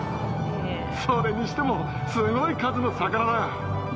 それにしてもすごい数の魚だ。